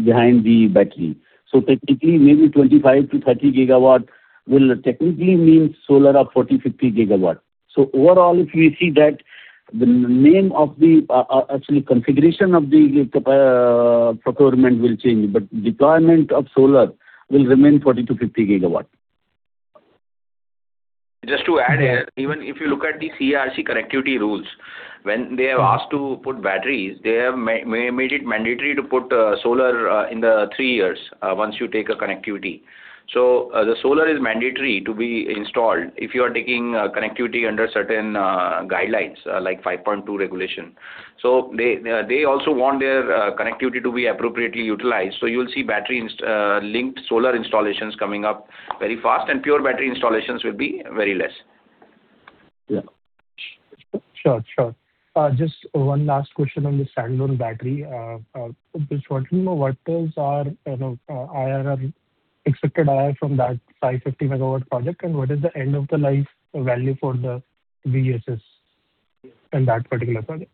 behind the battery. Technically, maybe 25-30 GW will technically mean solar of 40 GW-50 GW. Overall, if you see that the name of the configuration of the procurement will change, but deployment of solar will remain 40 GW to 50 GW. Just to add here, even if you look at the CERC connectivity rules, when they have asked to put batteries, they have made it mandatory to put solar in the three years, once you take a connectivity. The solar is mandatory to be installed if you are taking connectivity under certain guidelines, like 5.2 regulation. They also want their connectivity to be appropriately utilized. You'll see battery linked solar installations coming up very fast and pure battery installations will be very less. Yeah. Sure, sure. Just one last question on the standalone battery. Just wanting to know what is our, you know, IRR, expected IRR from that 550 MW project, and what is the end of the life value for the BESS in that particular project?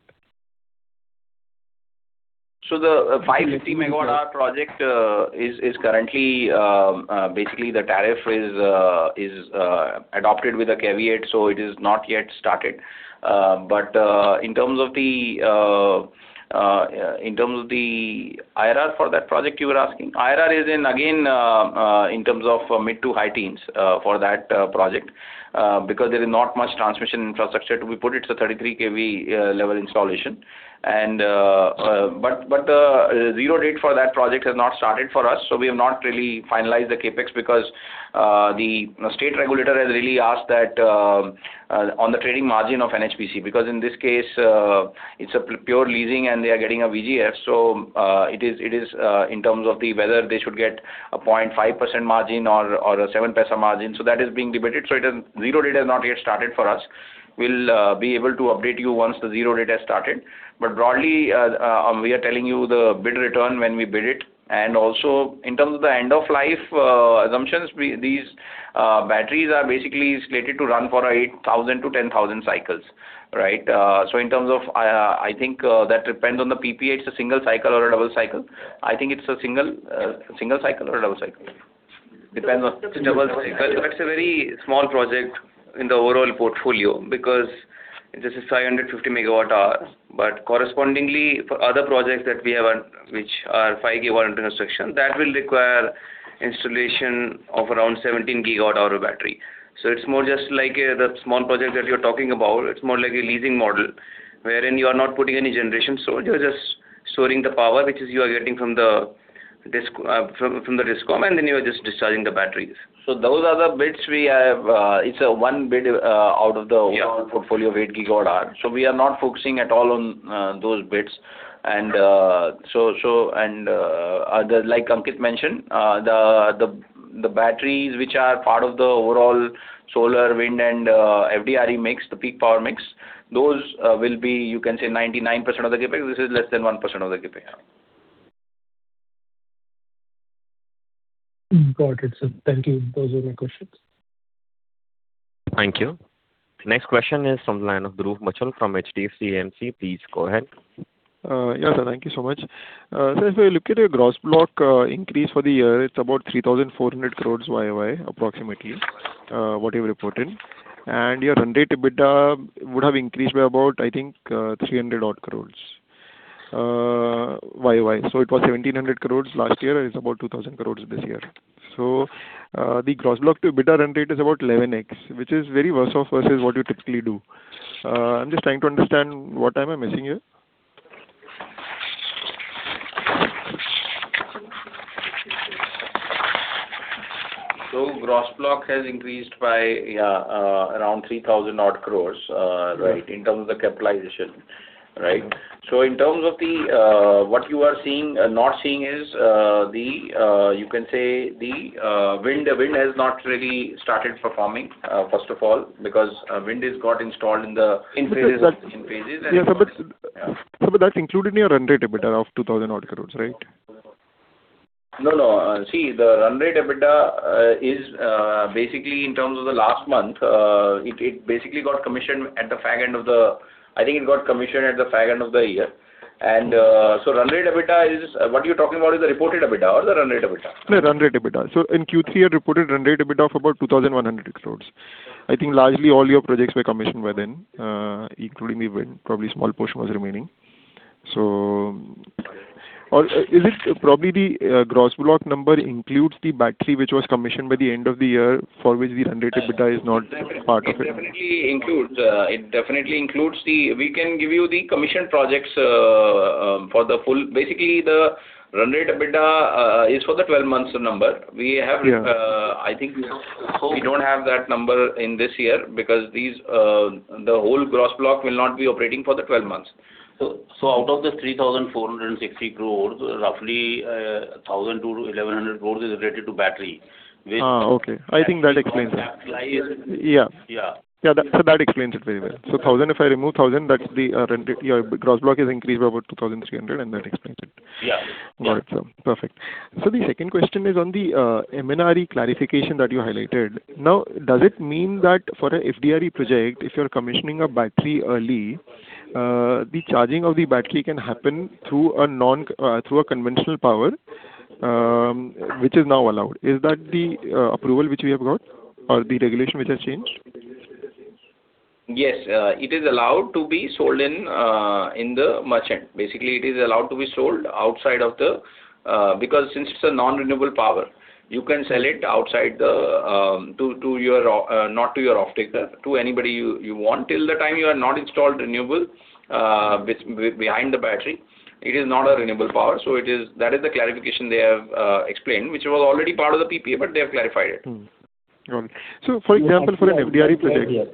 The 550 MWh project is currently basically the tariff is adopted with a caveat, so it is not yet started. In terms of the in terms of the IRR for that project you were asking, IRR is in again in terms of mid to high teens for that project. There is not much transmission infrastructure to be put. It's a 33 kV level installation. Zero date for that project has not started for us, so we have not really finalized the CapEx because the state regulator has really asked that on the trading margin of NHPC. In this case, it's a pure leasing and they are getting a VGF. In terms of whether they should get a 0.5% margin or a 0.07 margin. That is being debated. Zero date has not yet started for us. We'll be able to update you once the zero date has started. Broadly, we are telling you the bid return when we bid it. Also in terms of the end of life assumptions, these batteries are basically slated to run for 8,000-10,000 cycles, right? In terms of, I think, that depends on the PPA. It's a single cycle or a double cycle. I think it's a single cycle or a double cycle? Depends on single or double cycle. It's a very small project in the overall portfolio because this is 550 MWh. Correspondingly for other projects that we have, which are 5 GW intersection, that will require installation of around 17 GWh battery. It's more just like the small project that you're talking about. It's more like a leasing model wherein you are not putting any generation. You're just storing the power which is you are getting from the DISCOM, and then you are just discharging the batteries. Those are the bids we have. It's one bid. Yeah. Overall portfolio of 8 gigawatt hour. We are not focusing at all on those bids. The batteries which are part of the overall solar, wind and FDRE mix, the peak power mix, those will be, you can say 99% of the CapEx. This is less than 1% of the CapEx. Got it, sir. Thank you. Those were my questions. Thank you. Next question is from the line of Dhruv Muchhal from HDFC AMC. Please go ahead. Yeah, thank you so much. If I look at your gross block increase for the year, it's about 3,400 crores YOY approximately what you've reported. Your run rate EBITDA would have increased by about, I think, 300 odd crores YOY. It was 1,700 crores last year, and it's about 2,000 crores this year. The gross block to EBITDA run rate is about 11x, which is very worse off versus what you typically do. I'm just trying to understand what am I missing here? Gross block has increased by, yeah, around 3,000 odd crores. Right. In terms of the capitalization, right? In terms of the what you are seeing, not seeing is the, you can say the wind has not really started performing, first of all, because wind has got installed in phases. But that- In phases and- Yeah, but- Yeah. That's included in your run rate EBITDA of 2,000 odd crores, right? No, no. See, the run rate EBITDA is basically in terms of the last month, it basically got commissioned at the far end of the year. What you're talking about is the reported EBITDA or the run rate EBITDA? The run rate EBITDA. In Q3 you reported run rate EBITDA of about 2,100 crores. I think largely all your projects were commissioned by then, including even probably a small portion was remaining. Is it probably the gross block number includes the battery which was commissioned by the end of the year for which the run rate EBITDA is not part of it? It definitely includes the We can give you the commissioned projects for the full Basically, the run rate EBITDA is for the 12 months number. Yeah. I think we don't have that number in this year because these, the whole gross block will not be operating for the 12 months. Out of the 3,460 crores, roughly, 1,002-1,100 crores is related to battery. Okay. I think that explains it. Actually not capitalized. Yeah. Yeah. That explains it very well. If I remove 1,000, that's the run rate. Your gross block is increased by about 2,300, that explains it. Yeah. All right, perfect. The second question is on the MNRE clarification that you highlighted. Now, does it mean that for a FDRE project, if you're commissioning a battery early, the charging of the battery can happen through a non, through a conventional power, which is now allowed. Is that the approval which we have got or the regulation which has changed? Yes. It is allowed to be sold in the merchant. Basically, it is allowed to be sold outside of the, because since it's a non-renewable power, you can sell it outside the, not to your offtaker, to anybody you want. Till the time you have not installed renewable behind the battery, it is not a renewable power. It is, that is the clarification they have explained, which was already part of the PPA, but they have clarified it. Mm-hmm. Got it. for example, for an FDRE project. Can I add here?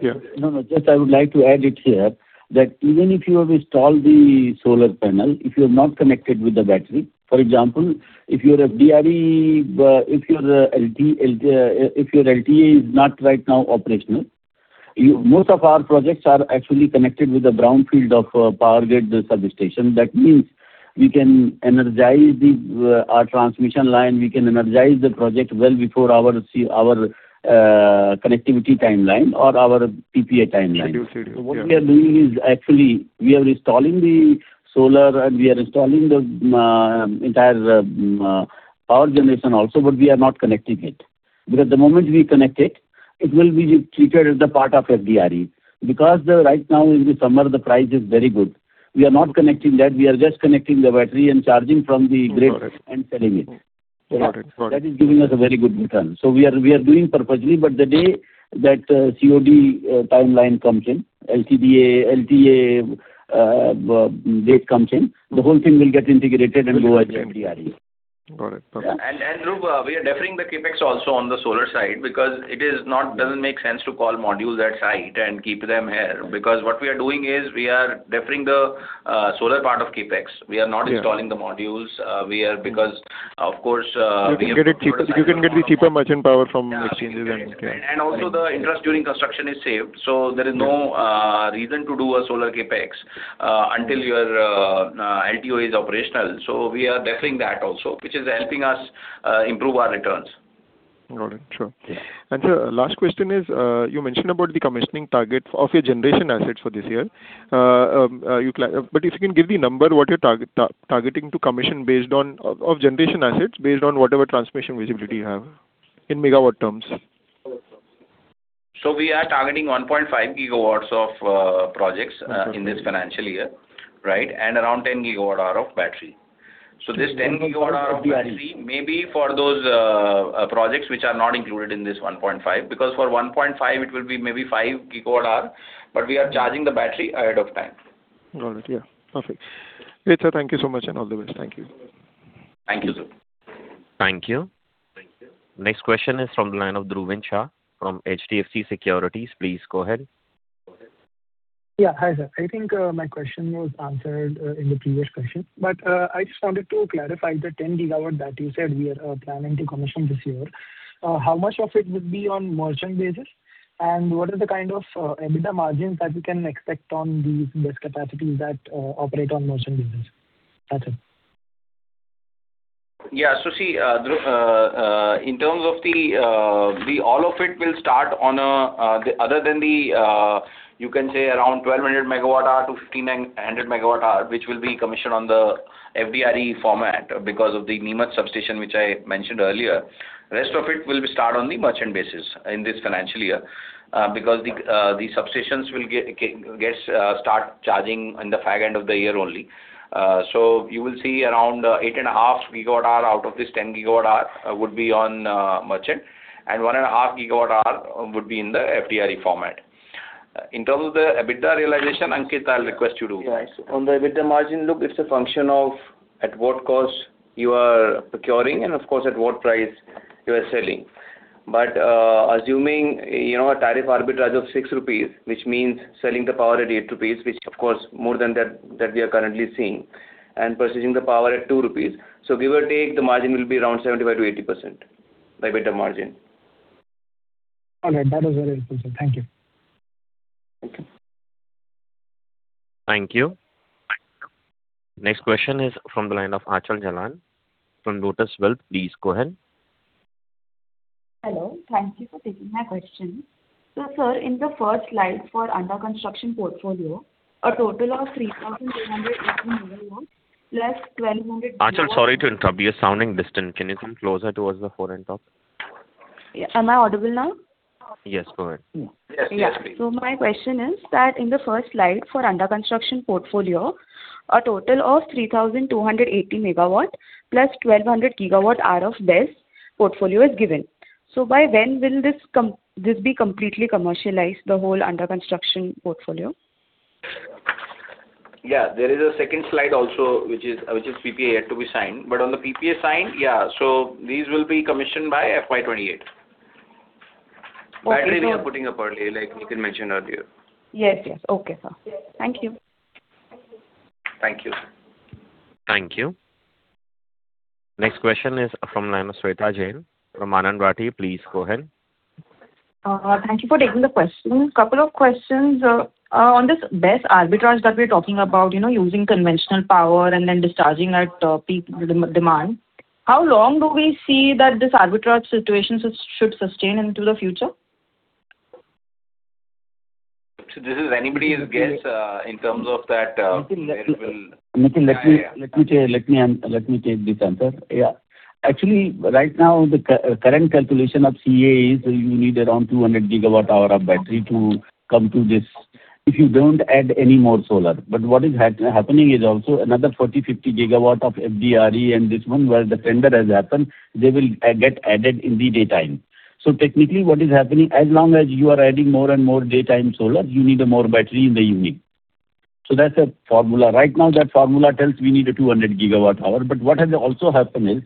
Yeah. No, no, just I would like to add it here that even if you have installed the solar panel, if you have not connected with the battery, for example, if your FDRE, if your LTA is not right now operational. Most of our projects are actually connected with the brownfield of Power Grid substation. That means we can energize our transmission line, we can energize the project well before our connectivity timeline or our PPA timeline. Schedule. Yeah. What we are doing is actually we are installing the solar and we are installing the entire power generation also, but we are not connecting it. The moment we connect it will be treated as the part of FDRE. Right now in the summer the price is very good, we are not connecting that. We are just connecting the battery and charging from the grid. Got it. And selling it. Got it. Got it. That is giving us a very good return. We are doing purposely. The day that COD timeline comes in, LTA date comes in, the whole thing will get integrated and go as FDRE. Got it. Perfect. Look, we are deferring the CapEx also on the solar side because it doesn't make sense to call modules at site and keep them here. What we are doing is we are deferring the solar part of CapEx. Yeah. Installing the modules. We are because of course, we have to- You can get it cheaper, you can get the cheaper merchant power from exchanges and, yeah. Also the interest during construction is saved. There is no reason to do a solar CapEx until your LTA is operational. We are deferring that also, which is helping us improve our returns. Got it. Sure. Yeah. Sir, last question is, you mentioned about the commissioning target of your generation assets for this year. If you can give the number, what you're targeting to commission based on, of generation assets based on whatever transmission visibility you have in megawatt terms. We are targeting 1.5 GW of projects. Okay. In this financial year, right? Around 10 GWh of battery. Of battery. May be for those projects which are not included in this 1.5. For 1.5 it will be maybe 5 GWh, but we are charging the battery ahead of time. Got it, yeah. Perfect. Great, sir. Thank you so much, and all the best. Thank you. Thank you, sir. Thank you. Next question is from the line of Dhruvin Shah from HDFC Securities. Please go ahead. Yeah. Hi, sir. I think my question was answered in the previous question. I just wanted to clarify the 10 GW that you said we are planning to commission this year. How much of it would be on merchant basis, and what are the kind of EBITDA margins that we can expect on these, this capacity that operate on merchant basis? That's it. Yeah. See, Dhru, in terms of the all of it will start on a, other than the, you can say around 1,200 megawatt hour to 1,500 MWh, which will be commissioned on the FDRE format because of the Neemuch substation which I mentioned earlier. Rest of it will be start on the merchant basis in this financial year, because the substations will gets start charging in the far end of the year only. You will see around 8.5 GWh out of this 10 GWh, would be on merchant, and 1.5 GWh would be in the FDRE format. In terms of the EBITDA realization, Ankit, I'll request you to- Yeah. On the EBITDA margin, look, it's a function of at what cost you are procuring and of course at what price you are selling. Assuming, you know, a tariff arbitrage of 6 rupees, which means selling the power at 8 rupees, which of course more than that we are currently seeing, and purchasing the power at 2 rupees. Give or take, the margin will be around 75%-80%, the EBITDA margin. All right. That was very helpful, sir. Thank you. Thank you. Next question is from the line of Aanchal Jalan from Lotus Wealth. Please go ahead. Hello. Thank you for taking my question. Sir, in the first slide for under construction portfolio, a total of 3,280 MW 1, 200Gwh Aanchal, sorry to interrupt, you're sounding distant. Can you come closer towards the phone and talk? Yeah. Am I audible now? Yes, go ahead. Yeah. My question is that in the first slide for under construction portfolio, a total of 3,280 MW 1,200 GWh of BESS portfolio is given. By when will this be completely commercialized, the whole under construction portfolio? Yeah. There is a second slide also which is PPA yet to be signed. On the PPA signed, yeah, these will be commissioned by FY 2028. Okay, so- Battery we are putting up early, like Nikhil mentioned earlier. Yes, yes. Okay, sir. Thank you. Thank you. Thank you. Next question is from the line of Sweta Jain from Anand Rathi. Please go ahead. Thank you for taking the question. Couple of questions. On this BESS arbitrage that we're talking about, you know, using conventional power and then discharging at peak demand, how long do we see that this arbitrage situation should sustain into the future? This is anybody's guess in terms of that. Nikhil, It will. Nikhil, let me take this answer. Actually, right now the current calculation of CEA is you need around 200 GWh of battery to come to this if you don't add any more solar. What is happening is also another 40 GW, 50 GW of FDRE and this one where the tender has happened, they will get added in the daytime. Technically, what is happening, as long as you are adding more and more daytime solar, you need a more battery in the evening. That's a formula. Right now, that formula tells we need a 200 GWh. What has also happened is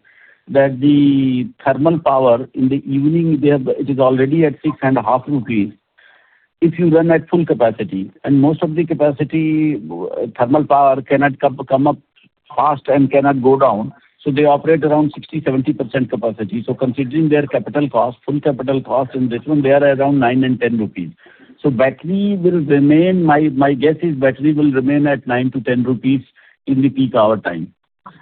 that the thermal power in the evening, it is already at 6.5 rupees if you run at full capacity. Most of the capacity, thermal power cannot come up fast and cannot go down, so they operate around 60%-70% capacity. Considering their capital cost, full capital cost in this one, they are around 9- 10 rupees. My guess is battery will remain at 9- 10 rupees in the peak hour time.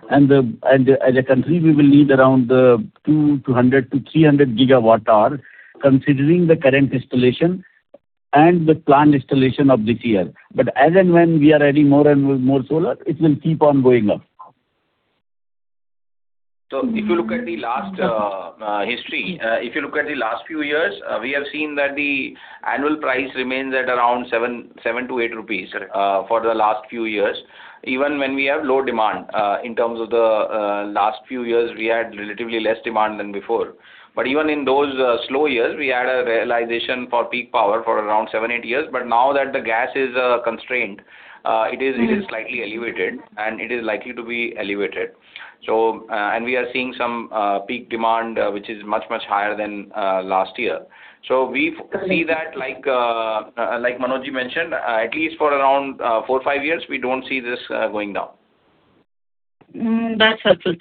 As a country, we will need around 200 GWh-300 GWh, considering the current installation and the planned installation of this year. As and when we are adding more and more solar, it will keep on going up. If you look at the last history, if you look at the last few years, we have seen that the annual price remains at around 7- 8 rupees. Correct. For the last few years, even when we have low demand. In terms of the last few years, we had relatively less demand than before. Even in those slow years, we had a realization for peak power for around seven eight years. Now that the gas is constrained, it is slightly elevated, and it is likely to be elevated. We are seeing some peak demand which is much, much higher than last year. Correct. See that, like Manojji mentioned, at least for around, four or five years, we don't see this, going down. Mm. That's helpful.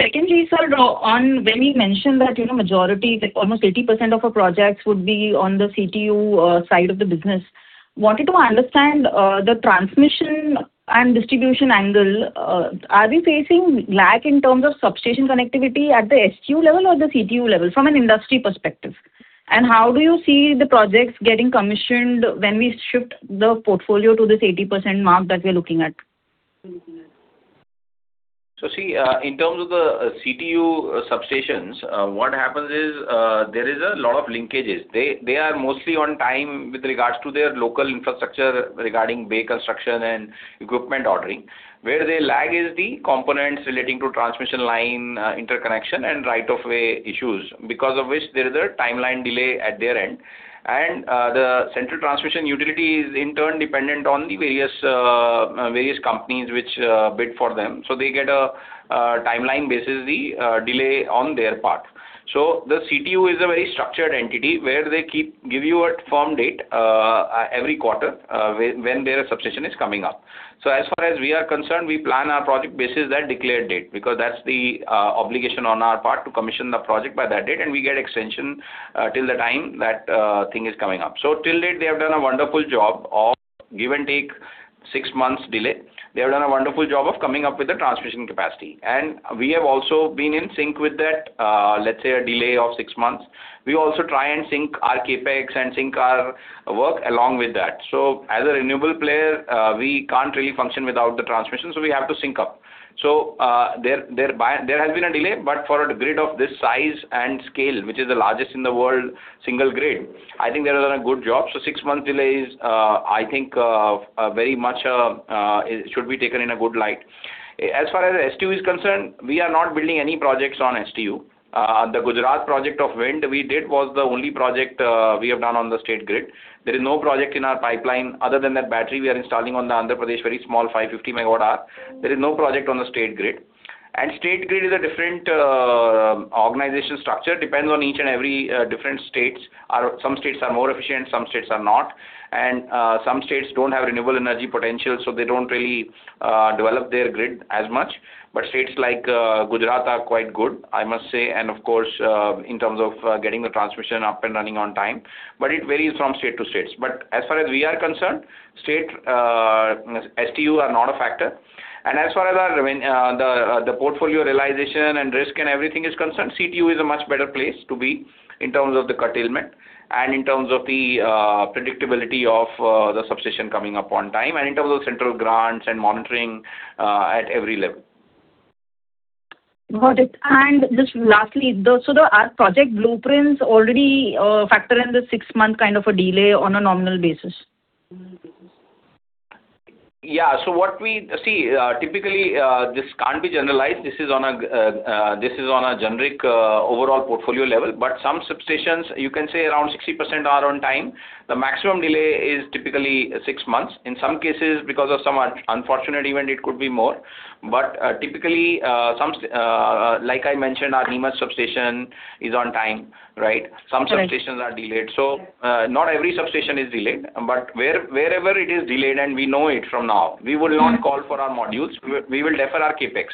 Secondly, sir, on when we mentioned that, you know, majority, like almost 80% of our projects would be on the CTU side of the business, wanted to understand the transmission and distribution angle. Are we facing lack in terms of substation connectivity at the STU level or the CTU level from an industry perspective? How do you see the projects getting commissioned when we shift the portfolio to this 80% mark that we're looking at? See, in terms of the CTU substations, what happens is there is a lot of linkages. They are mostly on time with regards to their local infrastructure regarding bay construction and equipment ordering. Where they lag is the components relating to transmission line interconnection and right of way issues, because of which there is a timeline delay at their end. The Central Transmission Utility is in turn dependent on the various companies which bid for them. They get a timeline basis, the delay on their part. The CTU is a very structured entity where they keep give you a firm date every quarter when their substation is coming up. As far as we are concerned, we plan our project basis that declared date, because that's the obligation on our part to commission the project by that date, and we get extension till the time that thing is coming up. Till date, they have done a wonderful job of give and take six months delay. They have done a wonderful job of coming up with the transmission capacity. We have also been in sync with that, let's say a delay of six months. We also try and sync our CapEx and sync our work along with that. As a renewable player, we can't really function without the transmission, so we have to sync up. There has been a delay, but for a grid of this size and scale, which is the largest in the world single grid, I think they have done a good job. six-month delay is, I think, very much it should be taken in a good light. As far as STU is concerned, we are not building any projects on STU. The Gujarat project of wind we did was the only project we have done on the state grid. There is no project in our pipeline other than that battery we are installing on Andhra Pradesh, very small, 550 MWh. There is no project on the state grid. State grid is a different organization structure. Depends on each and every different states. Some states are more efficient, some states are not. Some states don't have renewable energy potential, so they don't really develop their grid as much. States like Gujarat are quite good, I must say, and of course, in terms of getting the transmission up and running on time. It varies from state to states. As far as we are concerned, STU are not a factor. As far as our, I mean, the portfolio realization and risk and everything is concerned, CTU is a much better place to be in terms of the curtailment and in terms of the predictability of the substation coming up on time, and in terms of central grants and monitoring at every level. Got it. Just lastly, our project blueprints already factor in the six-month kind of a delay on a nominal basis? Yeah. What we See, typically, this can't be generalized. This is on a generic, overall portfolio level. Some substations, you can say around 60% are on time. The maximum delay is typically six months. In some cases, because of some unfortunate event, it could be more. Typically, some like I mentioned, our Neemuch substation is on time, right? Right. Some substations are delayed. Not every substation is delayed. Wherever it is delayed, and we know it from now, we would not call for our modules. We will defer our CapEx.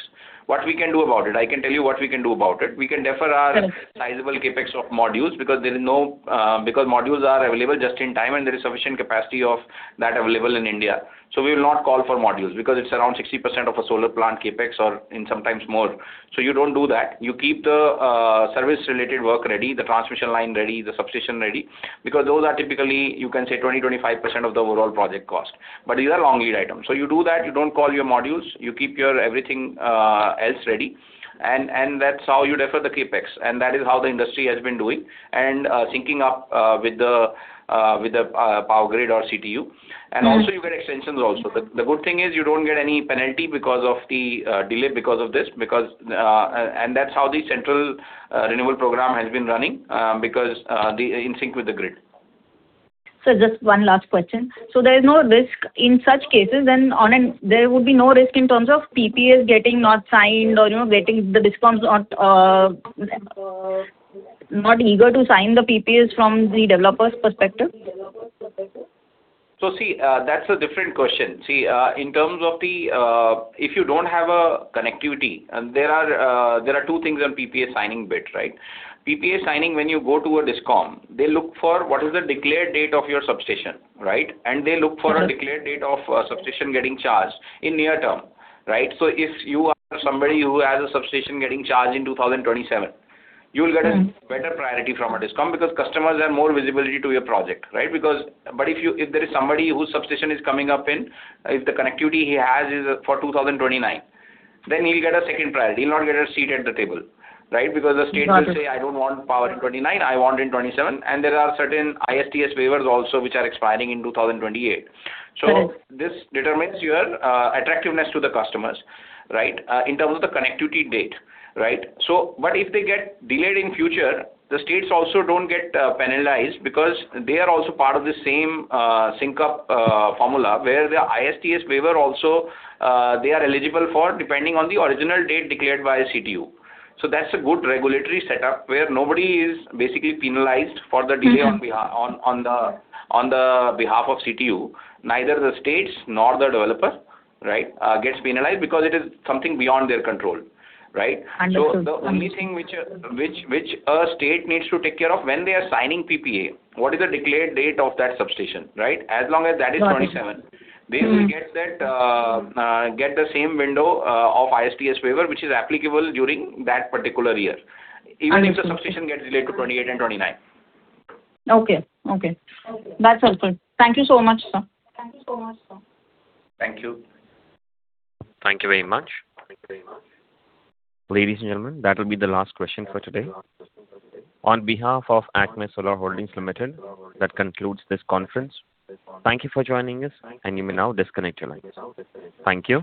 What we can do about it? I can tell you what we can do about it. Right. Sizable CapEx of modules because there is no, because modules are available just in time, and there is sufficient capacity of that available in India. We will not call for modules because it's around 60% of a solar plant CapEx or, and sometimes more. You don't do that. You keep the service-related work ready, the transmission line ready, the substation ready, because those are typically, you can say, 20%-25% of the overall project cost. These are long lead items. You do that. You don't call your modules. You keep your everything else ready. That's how you defer the CapEx, and that is how the industry has been doing and syncing up with the Power Grid or CTU. Right. Also you get extensions also. The good thing is you don't get any penalty because of the delay because of this because that's how the central renewable program has been running because they are in sync with the grid. Sir, just one last question. There is no risk in such cases and There would be no risk in terms of PPAs getting not signed or, you know, getting the DISCOMs not eager to sign the PPAs from the developer's perspective? See, that's a different question. See, in terms of the, if you don't have a connectivity, there are two things on PPA signing bit, right? PPA signing, when you go to a DISCOM, they look for what is the declared date of your substation, right? They look for a declared date of a substation getting charged in near term, right? If you are somebody who has a substation getting charged in 2027, you'll get. better priority from a DISCOM because customers have more visibility to your project, right? If there is somebody whose substation is coming up in, if the connectivity he has is for 2029, he'll get a second priority. He'll not get a seat at the table, right? The state- Got it. Will say, "I don't want power in 2029. I want in 2027." There are certain ISTS waivers also which are expiring in 2028. Got it. This determines your attractiveness to the customers, right? In terms of the connectivity date, right? But if they get delayed in future, the states also don't get penalized because they are also part of the same sync up formula, where the ISTS waiver also they are eligible for, depending on the original date declared by a CTU. That's a good regulatory setup where nobody is basically penalized for the delay. On the behalf of CTU. Neither the states nor the developer, right, gets penalized because it is something beyond their control, right? Understood. The only thing which a state needs to take care of when they are signing PPA, what is the declared date of that substation, right? As long as that is 2027. Got it. They will get the same window of ISTS waiver, which is applicable during that particular year. Understood. Even if the substation gets delayed to 2028 and 2029. Okay. Okay. That's helpful. Thank you so much, sir. Thank you. Thank you very much. Ladies and gentlemen, that will be the last question for today. On behalf of ACME Solar Holdings Limited, that concludes this conference. Thank you for joining us, and you may now disconnect your lines. Thank you.